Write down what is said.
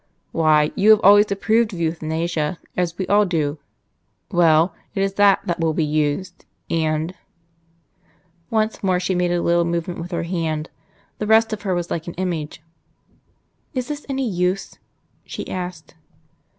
Why, you have always approved of Euthanasia, as we all do. Well, it is that that will be used; and " Once more she made a little movement with her hand. The rest of her was like an image. "Is this any use?" she asked.